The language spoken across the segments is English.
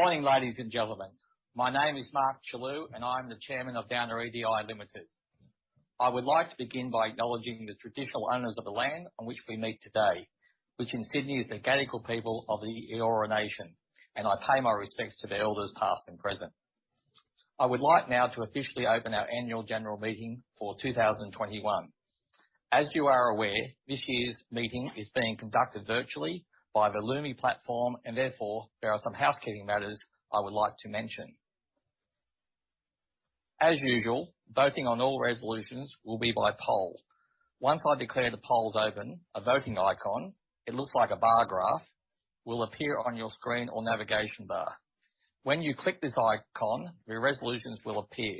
Morning, ladies and gentlemen. My name is Mark Chellew, and I'm the Chairman of Downer EDI Limited. I would like to begin by acknowledging the traditional owners of the land on which we meet today, which in Sydney is the Gadigal people of the Eora Nation, and I pay my respects to the elders past and present. I would like now to officially open our annual general meeting for 2021. As you are aware, this year's meeting is being conducted virtually by the Lumi platform, and therefore there are some housekeeping matters I would like to mention. As usual, voting on all resolutions will be by poll. Once I declare the polls open, a voting icon, it looks like a bar graph, will appear on your screen or navigation bar. When you click this icon, the resolutions will appear.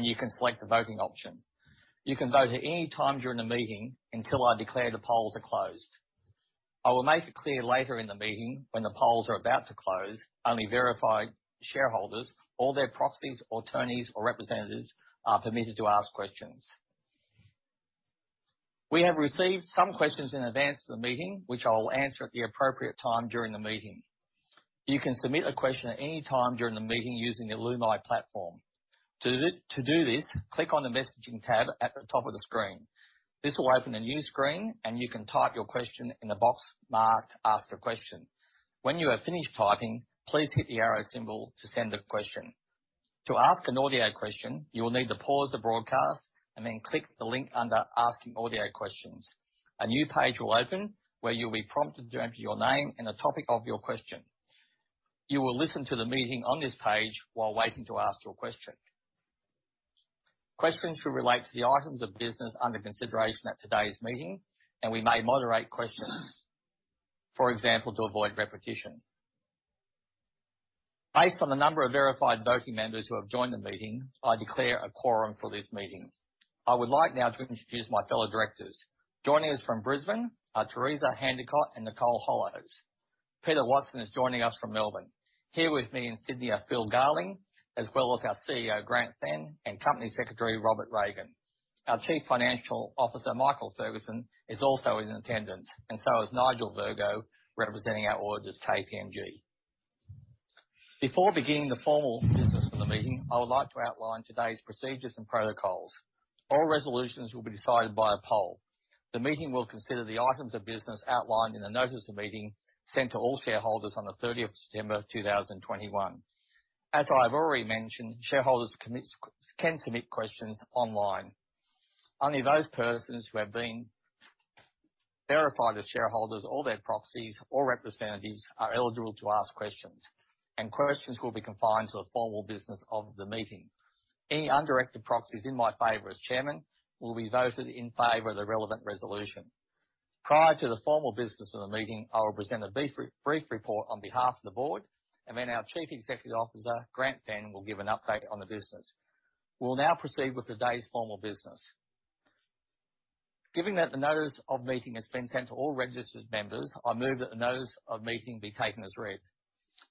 You can select the voting option. You can vote at any time during the meeting until I declare the polls are closed. I will make it clear later in the meeting when the polls are about to close. Only verified shareholders or their proxies, attorneys, or representatives are permitted to ask questions. We have received some questions in advance to the meeting, which I will answer at the appropriate time during the meeting. You can submit a question at any time during the meeting using the Lumi platform. To do this, click on the Messaging tab at the top of the screen. This will open a new screen, and you can type your question in the box marked Ask a Question. When you have finished typing, please hit the arrow symbol to send a question. To ask an audio question, you will need to pause the broadcast and then click the link under Asking Audio Questions. A new page will open where you'll be prompted to enter your name and the topic of your question. You will listen to the meeting on this page while waiting to ask your question. Questions should relate to the items of business under consideration at today's meeting, and we may moderate questions, for example, to avoid repetition. Based on the number of verified voting members who have joined the meeting, I declare a quorum for this meeting. I would like now to introduce my fellow directors. Joining us from Brisbane are Teresa Handicott and Nicole Hollows. Peter Watson is joining us from Melbourne. Here with me in Sydney are Phil Garling, as well as our CEO, Grant Fenn, and Company Secretary, Robert Regan. Our Chief Financial Officer, Michael Ferguson, is also in attendance, and so is Nigel Virgo, representing our auditors, KPMG. Before beginning the formal business of the meeting, I would like to outline today's procedures and protocols. All resolutions will be decided by a poll. The meeting will consider the items of business outlined in the notice of meeting sent to all shareholders on the 30th of September 2021. As I've already mentioned, shareholders can submit questions online. Only those persons who have been verified as shareholders or their proxies or representatives are eligible to ask questions, and questions will be confined to the formal business of the meeting. Any undirected proxies in my favor as Chairman will be voted in favor of the relevant resolution. Prior to the formal business of the meeting, I will present a brief report on behalf of the board, and then our Chief Executive Officer, Grant Fenn, will give an update on the business. We'll now proceed with today's formal business. Given that the notice of meeting has been sent to all registered members, I move that the notice of meeting be taken as read.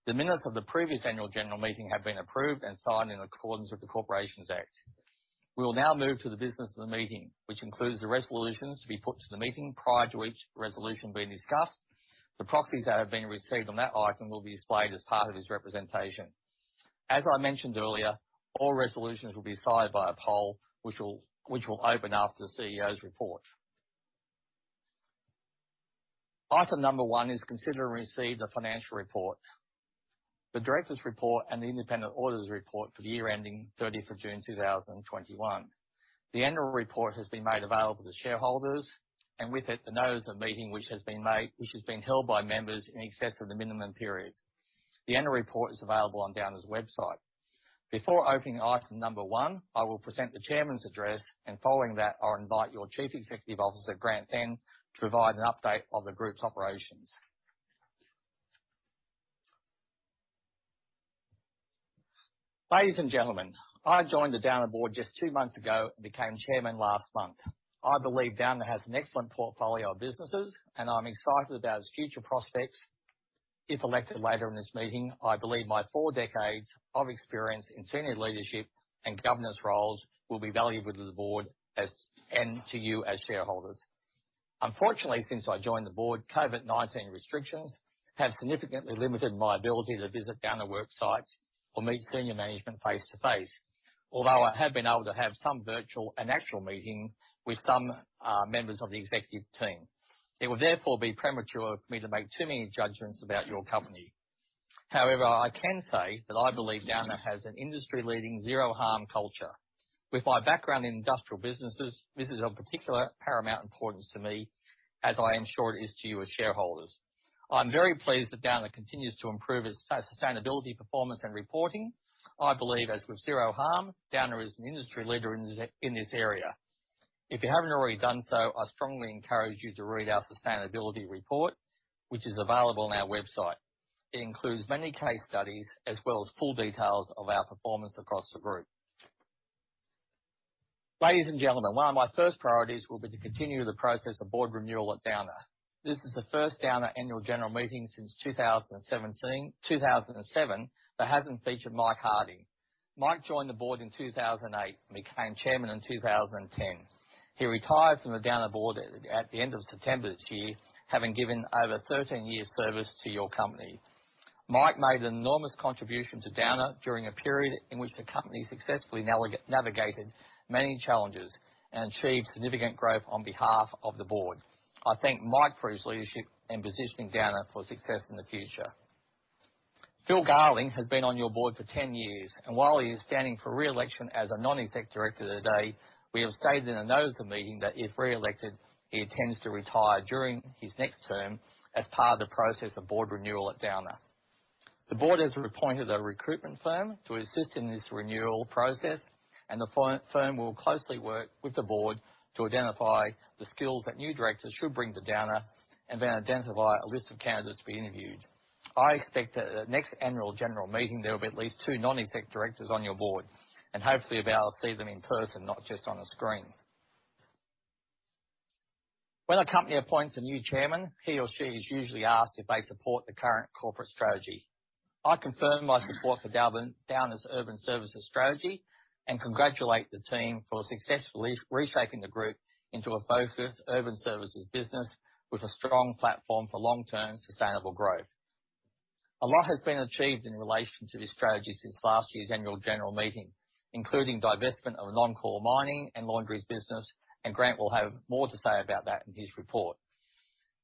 The minutes of the previous annual general meeting have been approved and signed in accordance with the Corporations Act. We will now move to the business of the meeting, which includes the resolutions to be put to the meeting prior to each resolution being discussed. The proxies that have been received on that item will be displayed as part of this representation. As I mentioned earlier, all resolutions will be decided via poll, which will open after the CEO's report. Item number one is to consider and receive the financial report, the directors' report, and the independent auditors' report for the year ending 30 June 2021. The annual report has been made available to shareholders, and with it, the notice of the meeting which has been held by members in excess of the minimum periods. The annual report is available on Downer's website. Before opening item number one, I will present the chairman's address, and following that, I'll invite your Chief Executive Officer, Grant Fenn, to provide an update of the group's operations. Ladies and gentlemen, I joined the Downer board just two months ago and became chairman last month. I believe Downer has an excellent portfolio of businesses, and I'm excited about its future prospects. If elected later in this meeting, I believe my four decades of experience in senior leadership and governance roles will be valuable to the board as and to you as shareholders. Unfortunately, since I joined the board, COVID-19 restrictions have significantly limited my ability to visit Downer worksites or meet senior management face-to-face. Although I have been able to have some virtual and actual meetings with some members of the executive team. It would therefore be premature of me to make too many judgments about your company. However, I can say that I believe Downer has an industry-leading Zero Harm culture. With my background in industrial businesses, this is of paramount importance to me, as I am sure it is to you as shareholders. I'm very pleased that Downer continues to improve its sustainability, performance, and reporting. I believe, as with Zero Harm, Downer is an industry leader in this area. If you haven't already done so, I strongly encourage you to read our sustainability report, which is available on our website. It includes many case studies as well as full details of our performance across the group. Ladies and gentlemen, one of my first priorities will be to continue the process of board renewal at Downer. This is the first Downer annual general meeting since 2007 that hasn't featured Mike Harding. Mike joined the board in 2008 and became chairman in 2010. He retired from the Downer board at the end of September this year, having given over 13 years service to your company. Mike made an enormous contribution to Downer during a period in which the company successfully navigated many challenges and achieved significant growth on behalf of the board. I thank Mike for his leadership in positioning Downer for success in the future. Phil Garling has been on your board for 10 years, and while he is standing for re-election as a non-exec director today, we have stated in the notice of the meeting that if re-elected, he intends to retire during his next term as part of the process of board renewal at Downer. The board has appointed a recruitment firm to assist in this renewal process, and the firm will closely work with the board to identify the skills that new directors should bring to Downer and then identify a list of candidates to be interviewed. I expect that at the next annual general meeting, there will be at least two non-exec directors on your board, and hopefully by then I'll see them in person, not just on a screen. When a company appoints a new chairman, he or she is usually asked if they support the current corporate strategy. I confirm my support for Downer's Urban Services strategy and congratulate the team for successfully reshaping the group into a focused urban services business with a strong platform for long-term sustainable growth. A lot has been achieved in relation to this strategy since last year's annual general meeting, including divestment of non-core mining and laundries business, and Grant will have more to say about that in his report.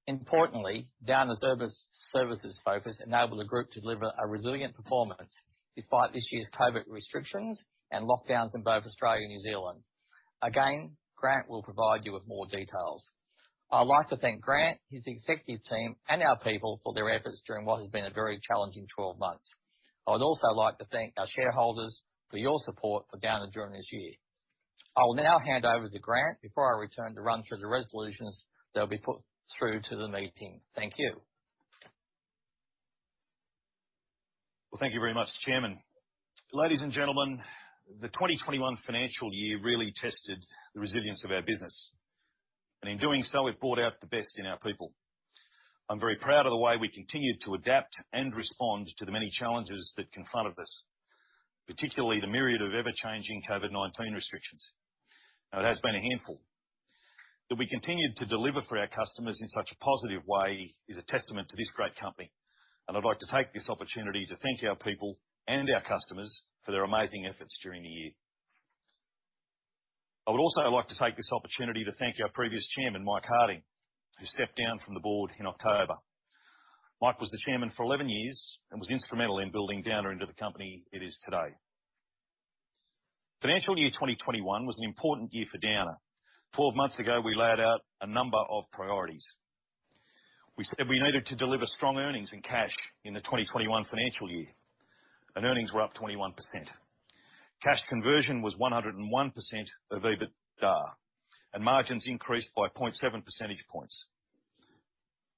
Importantly, Downer's services focus enabled the group to deliver a resilient performance despite this year's COVID restrictions and lockdowns in both Australia and New Zealand. Again, Grant will provide you with more details. I'd like to thank Grant, his executive team, and our people for their efforts during what has been a very challenging 12 months. I would also like to thank our shareholders for your support for Downer during this year. I will now hand over to Grant before I return to run through the resolutions that will be put through to the meeting. Thank you. Well, thank you very much, Chairman. Ladies and gentlemen, the 2021 financial year really tested the resilience of our business. In doing so, it brought out the best in our people. I'm very proud of the way we continued to adapt and respond to the many challenges that confronted us, particularly the myriad of ever-changing COVID-19 restrictions. Now, it has been a handful. That we continued to deliver for our customers in such a positive way is a testament to this great company, and I'd like to take this opportunity to thank our people and our customers for their amazing efforts during the year. I would also like to take this opportunity to thank our previous chairman, Mike Harding, who stepped down from the board in October. Mike was the chairman for 11 years and was instrumental in building Downer into the company it is today. Financial year 2021 was an important year for Downer. 12 months ago, we laid out a number of priorities. We said we needed to deliver strong earnings and cash in the 2021 financial year, and earnings were up 21%. Cash conversion was 101% of EBITDA, and margins increased by 0.7 percentage points.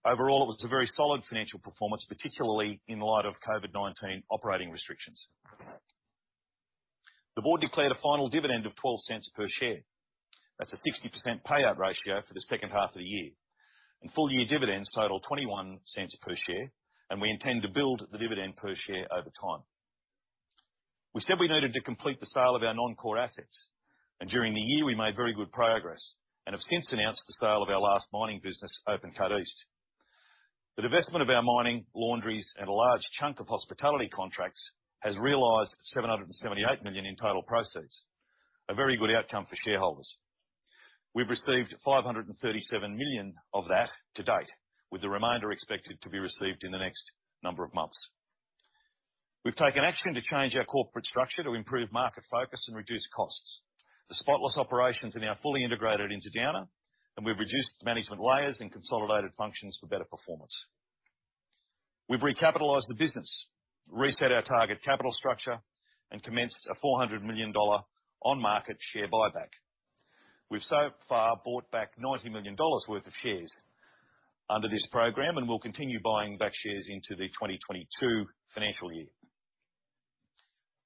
Overall, it was a very solid financial performance, particularly in light of COVID-19 operating restrictions. The board declared a final dividend of 0.12 per share. That's a 60% payout ratio for the second half of the year. Full year dividends total 0.21 per share, and we intend to build the dividend per share over time. We said we needed to complete the sale of our non-core assets, and during the year, we made very good progress and have since announced the sale of our last mining business, Open Cut Mining East. The divestment of our mining laundries and a large chunk of hospitality contracts has realized 778 million in total proceeds, a very good outcome for shareholders. We've received 537 million of that to date, with the remainder expected to be received in the next number of months. We've taken action to change our corporate structure to improve market focus and reduce costs. The Spotless operations are now fully integrated into Downer, and we've reduced management layers and consolidated functions for better performance. We've recapitalized the business, reset our target capital structure, and commenced an 400 million dollar on-market share buyback. We've so far bought back 90 million dollars worth of shares under this program and will continue buying back shares into the 2022 financial year.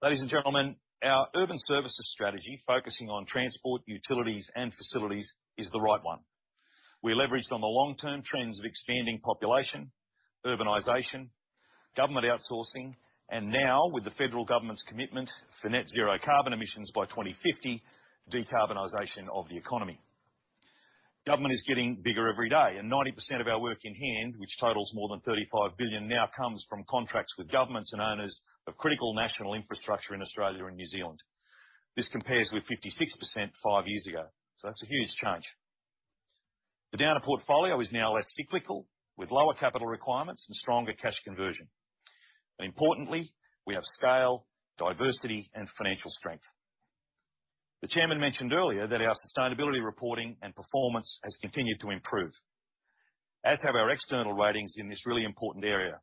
Ladies and gentlemen, our Urban Services strategy focusing on transport, utilities, and facilities is the right one. We leveraged on the long-term trends of expanding population, urbanization, government outsourcing, and now with the federal government's commitment for net zero carbon emissions by 2050, decarbonization of the economy. Government is getting bigger every day, and 90% of our work in hand, which totals more than 35 billion, now comes from contracts with governments and owners of critical national infrastructure in Australia and New Zealand. This compares with 56% five years ago. That's a huge change. The Downer portfolio is now less cyclical, with lower capital requirements and stronger cash conversion. Importantly, we have scale, diversity, and financial strength. The chairman mentioned earlier that our sustainability reporting and performance has continued to improve, as have our external ratings in this really important area.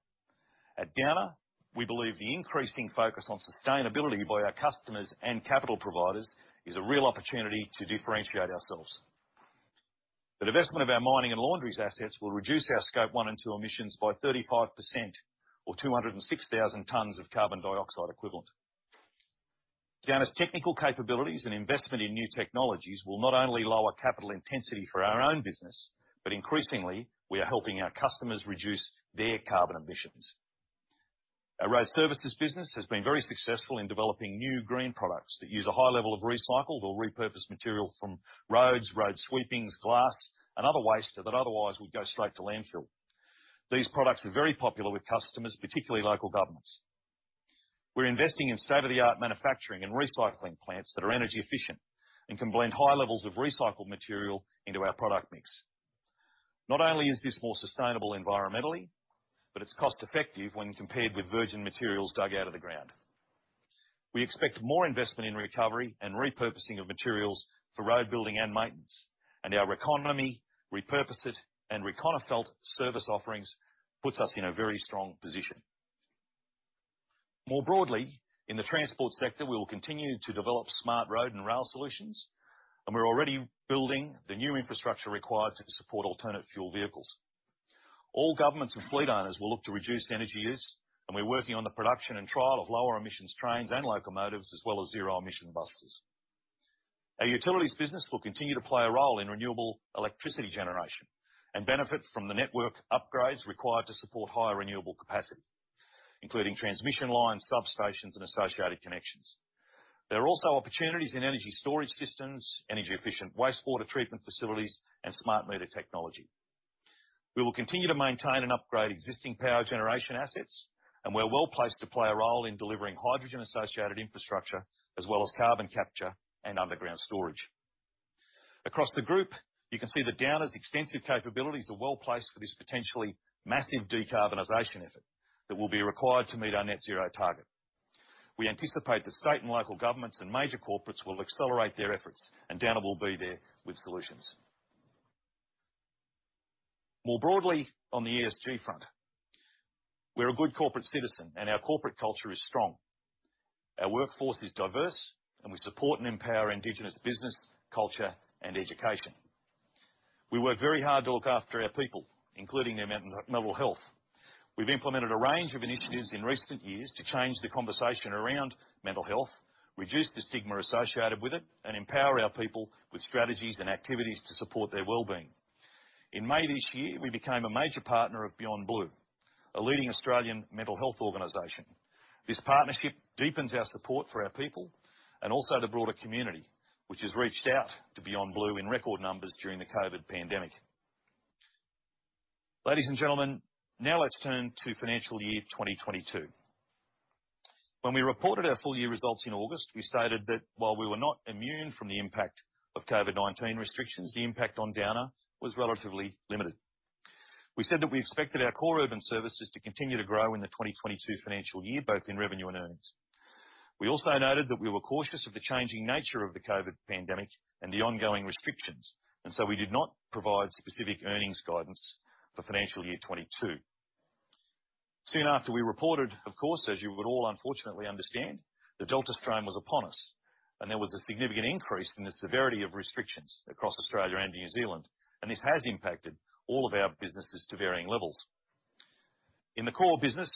At Downer, we believe the increasing focus on sustainability by our customers and capital providers is a real opportunity to differentiate ourselves. The divestment of our mining and laundries assets will reduce our Scope 1 and 2 emissions by 35% or 206,000 tons of carbon dioxide equivalent. Downer's technical capabilities and investment in new technologies will not only lower capital intensity for our own business, but increasingly, we are helping our customers reduce their carbon emissions. Our Road Services business has been very successful in developing new green products that use a high level of recycled or repurposed material from roads, road sweepings, glass, and other waste that otherwise would go straight to landfill. These products are very popular with customers, particularly local governments. We're investing in state-of-the-art manufacturing and recycling plants that are energy efficient and can blend high levels of recycled material into our product mix. Not only is this more sustainable environmentally, but it's cost-effective when compared with virgin materials dug out of the ground. We expect more investment in recovery and repurposing of materials for road building and maintenance, and our Reconomy, Repurpose It, and Reconophalt service offerings puts us in a very strong position. More broadly, in the transport sector, we will continue to develop smart road and rail solutions, and we're already building the new infrastructure required to support alternative fuel vehicles. All governments and fleet owners will look to reduce energy use, and we're working on the production and trial of lower emissions trains and locomotives, as well as zero-emission buses. Our utilities business will continue to play a role in renewable electricity generation and benefit from the network upgrades required to support higher renewable capacity, including transmission lines, substations, and associated connections. There are also opportunities in energy storage systems, energy-efficient wastewater treatment facilities, and smart meter technology. We will continue to maintain and upgrade existing power generation assets, and we're well-placed to play a role in delivering hydrogen-associated infrastructure as well as carbon capture and underground storage. Across the group, you can see that Downer's extensive capabilities are well-placed for this potentially massive decarbonization effort that will be required to meet our net zero target. We anticipate the state and local governments and major corporates will accelerate their efforts, and Downer will be there with solutions. More broadly, on the ESG front, we're a good corporate citizen and our corporate culture is strong. Our workforce is diverse, and we support and empower Indigenous business, culture, and education. We work very hard to look after our people, including their mental health. We've implemented a range of initiatives in recent years to change the conversation around mental health, reduce the stigma associated with it, and empower our people with strategies and activities to support their well-being. In May this year, we became a major partner of Beyond Blue, a leading Australian mental health organization. This partnership deepens our support for our people and also the broader community, which has reached out to Beyond Blue in record numbers during the COVID-19 pandemic. Ladies and gentlemen, now let's turn to financial year 2022. When we reported our full year results in August, we stated that while we were not immune from the impact of COVID-19 restrictions, the impact on Downer was relatively limited. We said that we expected our core Urban Services to continue to grow in the 2022 financial year, both in revenue and earnings. We also noted that we were cautious of the changing nature of the COVID-19 pandemic and the ongoing restrictions, so we did not provide specific earnings guidance for financial year 2022. Soon after we reported, of course, as you would all unfortunately understand, the Delta strain was upon us, and there was a significant increase in the severity of restrictions across Australia and New Zealand, and this has impacted all of our businesses to varying levels. In the core business,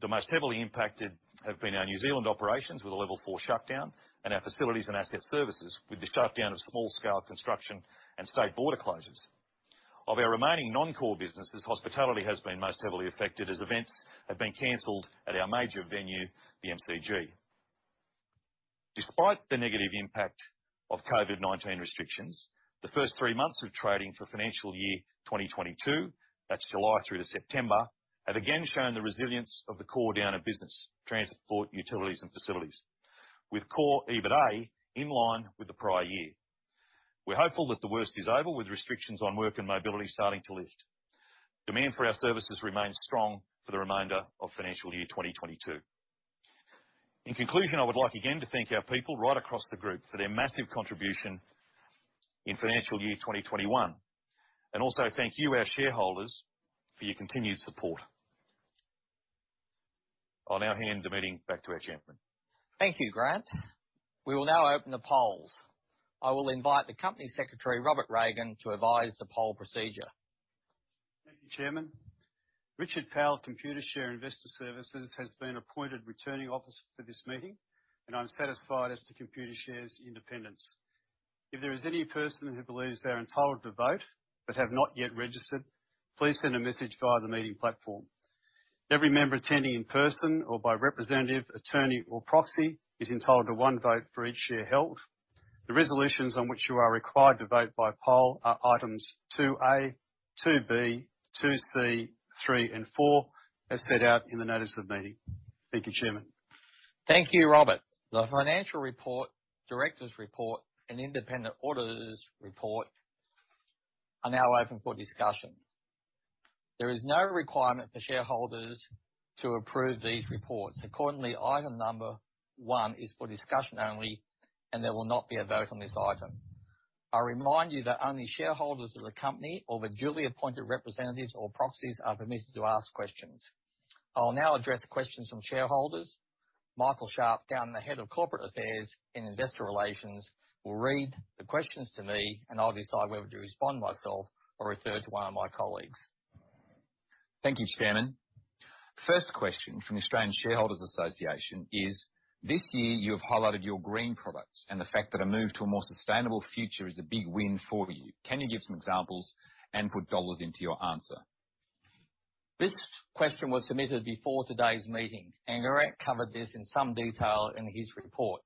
the most heavily impacted have been our New Zealand operations with a level four shutdown and our facilities and asset services with the shutdown of small-scale construction and state border closures. Of our remaining non-core businesses, hospitality has been most heavily affected as events have been canceled at our major venue, the MCG. Despite the negative impact of COVID-19 restrictions, the first three months of trading for financial year 2022, that's July through to September, have again shown the resilience of the core Downer business, Transport, Utilities, and Facilities, with core EBITA in line with the prior year. We're hopeful that the worst is over with restrictions on work and mobility starting to lift. Demand for our services remains strong for the remainder of financial year 2022. In conclusion, I would like again to thank our people right across the group for their massive contribution in financial year 2021. Also thank you, our shareholders, for your continued support. I'll now hand the meeting back to our chairman. Thank you, Grant. We will now open the polls. I will invite the Company Secretary, Robert Regan, to advise the poll procedure. Thank you, Chairman. Richard Powell at Computershare Investor Services has been appointed Returning Officer for this meeting, and I'm satisfied as to Computershare's independence. If there is any person who believes they are entitled to vote but have not yet registered, please send a message via the meeting platform. Every member attending in person or by representative, attorney, or proxy is entitled to one vote for each share held. The resolutions on which you are required to vote by poll are items two A, two B, two C, three, and four, as set out in the notice of meeting. Thank you, Chairman. Thank you, Robert. The financial report, directors' report, and independent auditors' report are now open for discussion. There is no requirement for shareholders to approve these reports. Accordingly, item number one is for discussion only and there will not be a vote on this item. I remind you that only shareholders of the company or their duly appointed representatives or proxies are permitted to ask questions. I'll now address the questions from shareholders. Michael Sharp, Group Head of Corporate Affairs and Investor Relations, Downer EDI, will read the questions to me and I'll decide whether to respond myself or refer to one of my colleagues. Thank you, Chairman. First question from Australian Shareholders Association is: This year, you have highlighted your green products and the fact that a move to a more sustainable future is a big win for you. Can you give some examples and put dollars into your answer? This question was submitted before today's meeting, and Grant covered this in some detail in his report.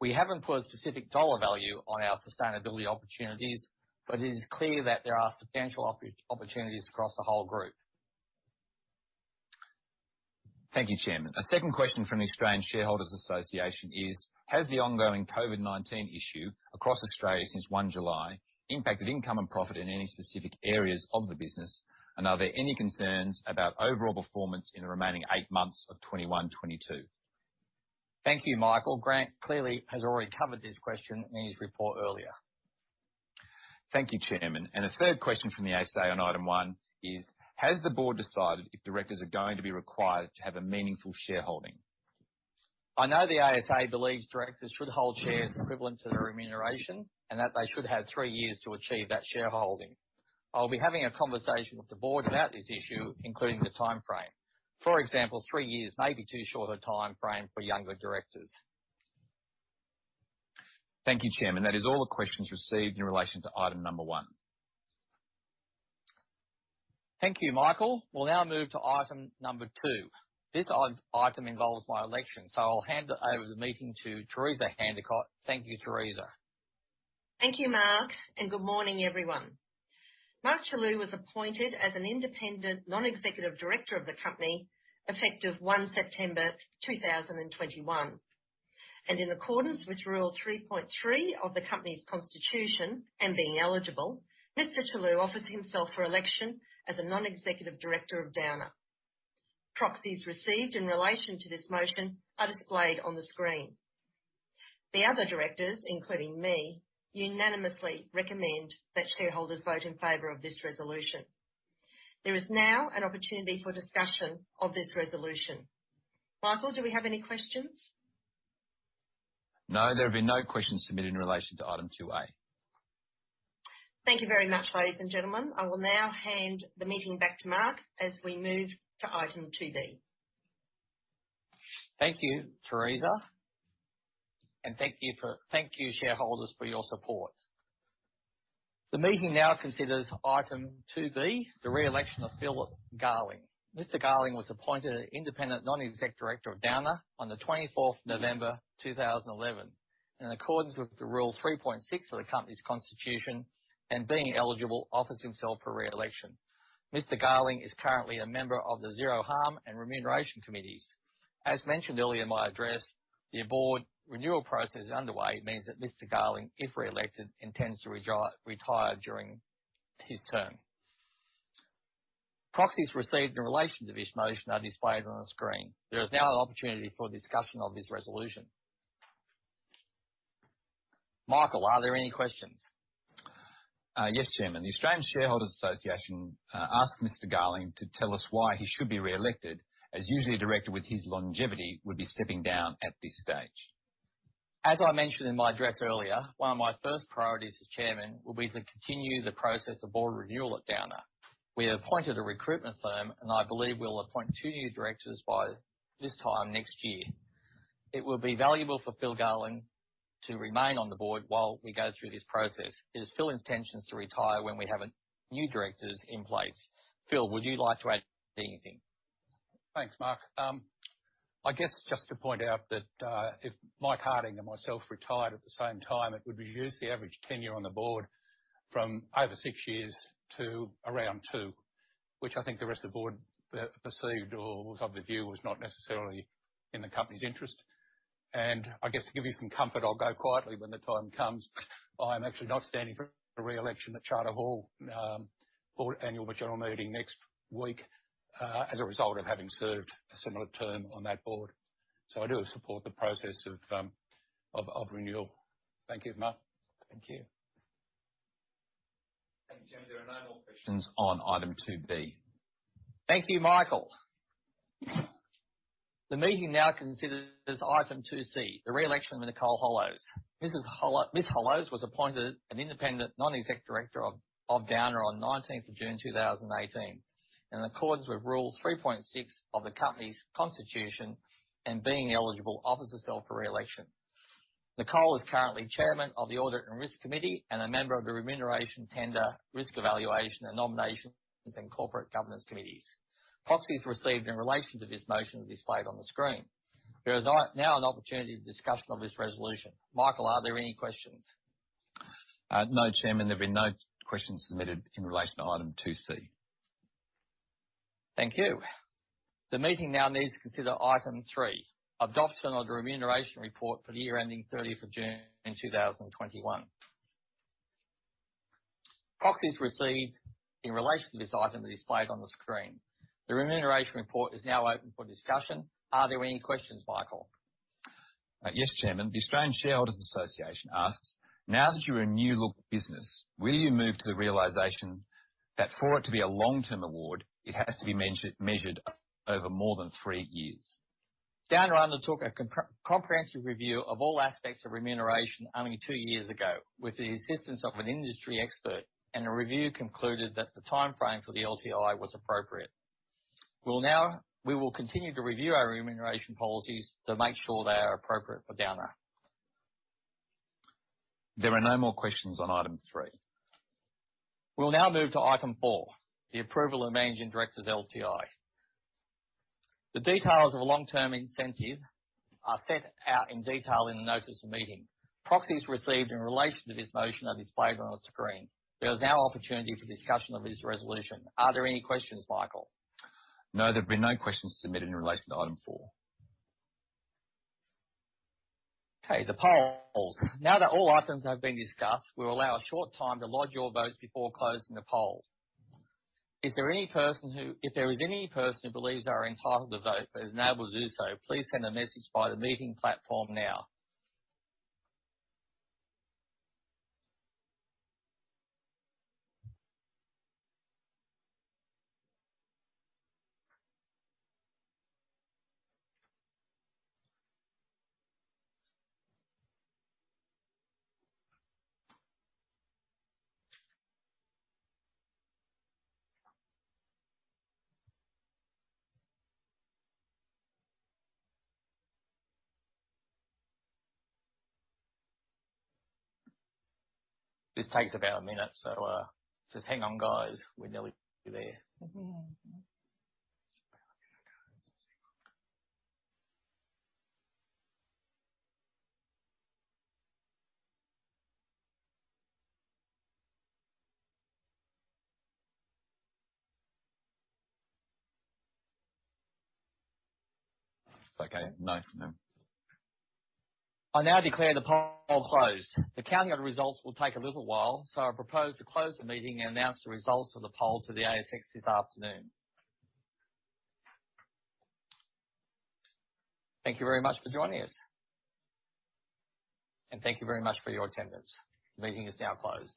We haven't put a specific dollar value on our sustainability opportunities, but it is clear that there are substantial opportunities across the whole group. Thank you, Chairman. A second question from the Australian Shareholders Association is: Has the ongoing COVID-19 issue across Australia since 1 July impacted income and profit in any specific areas of the business? Are there any concerns about overall performance in the remaining eight months of 2021/2022? Thank you, Michael. Grant clearly has already covered this question in his report earlier. Thank you, Chairman. A third question from the ASA on item one is: Has the board decided if directors are going to be required to have a meaningful shareholding? I know the ASA believes directors should hold shares equivalent to their remuneration and that they should have three years to achieve that shareholding. I'll be having a conversation with the board about this issue, including the timeframe. For example, three years may be too short a timeframe for younger directors. Thank you, Chairman. That is all the questions received in relation to item number one. Thank you, Michael. We'll now move to item number two. This item involves my election, so I'll hand over the meeting to Teresa Handicott. Thank you, Teresa. Thank you, Mark, and good morning, everyone. Mark Chellew was appointed as an independent non-executive director of the company effective 1 September 2021. In accordance with rule 3.3 of the company's constitution, and being eligible, Mr. Chellew offers himself for election as a non-executive director of Downer. Proxies received in relation to this motion are displayed on the screen. The other directors, including me, unanimously recommend that shareholders vote in favor of this resolution. There is now an opportunity for discussion of this resolution. Michael, do we have any questions? No, there have been no questions submitted in relation to item two A. Thank you very much, ladies and gentlemen. I will now hand the meeting back to Mark as we move to item two B. Thank you, Teresa. Thank you, shareholders, for your support. The meeting now considers item two B, the re-election of Philip Garling. Mr. Garling was appointed an independent non-exec director of Downer on the 24th of November 2011. In accordance with rule 3.6 of the company's constitution, and being eligible offers himself for re-election. Mr. Garling is currently a member of the Zero Harm and Remuneration Committees. As mentioned earlier in my address, the board renewal process is underway, which means that Mr. Garling, if re-elected, intends to retire during his term. Proxies received in relation to this motion are displayed on the screen. There is now an opportunity for discussion of this resolution. Michael, are there any questions? Yes, Chairman. The Australian Shareholders Association asked Mr. Garling to tell us why he should be re-elected, as usually a director with his longevity would be stepping down at this stage. As I mentioned in my address earlier, one of my first priorities as chairman will be to continue the process of board renewal at Downer. We have appointed a recruitment firm, and I believe we'll appoint two new directors by this time next year. It will be valuable for Phil Garling to remain on the board while we go through this process. It is Phil's intention to retire when we have new directors in place. Phil, would you like to add anything? Thanks, Mark. I guess just to point out that, if Mike Harding and myself retired at the same time, it would reduce the average tenure on the board from over six years to around two, which I think the rest of the board perceived or was of the view was not necessarily in the company's interest. I guess to give you some comfort, I'll go quietly when the time comes. I'm actually not standing for re-election at Charter Hall board annual general meeting next week, as a result of having served a similar term on that board. I do support the process of renewal. Thank you, Mark. Thank you. Thank you. There are no more questions on item two B. Thank you, Michael. The meeting now considers item two C, the re-election of Nicole Hollows. Ms. Hollows was appointed an independent non-exec director of Downer on nineteenth of June 2018. In accordance with rule 3.6 of the company's constitution, and being eligible offers herself for re-election. Nicole is currently chairman of the Audit and Risk Committee and a member of the Remuneration, Tender Risk Evaluation, and Nominations and Corporate Governance Committees. Proxies received in relation to this motion are displayed on the screen. There is now an opportunity for discussion of this resolution. Michael, are there any questions? No, Chairman, there have been no questions submitted in relation to item two C. Thank you. The meeting now needs to consider item 3, adoption of the Remuneration Report for the year ending 30th of June 2021. Proxies received in relation to this item are displayed on the screen. The Remuneration Report is now open for discussion. Are there any questions, Michael? Yes, Chairman. The Australian Shareholders Association asks: Now that you're a new-look business, will you move to the realization that for it to be a long-term award, it has to be measured over more than three years? Downer undertook a comprehensive review of all aspects of remuneration only two years ago with the assistance of an industry expert, and the review concluded that the timeframe for the LTI was appropriate. We will continue to review our remuneration policies to make sure they are appropriate for Downer. There are no more questions on item three. We'll now move to item four, the approval of Managing Director's LTI. The details of a long-term incentive are set out in detail in the notice of meeting. Proxies received in relation to this motion are displayed on the screen. There is now opportunity for discussion of this resolution. Are there any questions, Michael? No, there have been no questions submitted in relation to item four. Okay. The polls. Now that all items have been discussed, we'll allow a short time to lodge your votes before closing the poll. If there is any person who believes they are entitled to vote but is unable to do so, please send a message via the meeting platform now. This takes about a minute, so just hang on, guys. We're nearly there. I now declare the poll closed. The counting of results will take a little while, so I propose to close the meeting and announce the results of the poll to the ASX this afternoon. Thank you very much for joining us. Thank you very much for your attendance. The meeting is now closed.